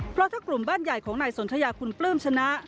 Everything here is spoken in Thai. เพราะถ้ากลุ่มบ้านใหญ่ของนายสนทยาคุณปลื้มชนะ